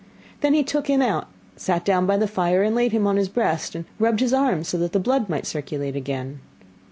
Then he took him out, and sat down by the fire and laid him on his breast and rubbed his arms that the blood might circulate again.